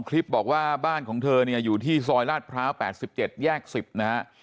คลิปบอกว่าบ้านของเธอเนี่ยอยู่ที่ซอยลาดพร้าว๘๗แยก๑๐นะฮะ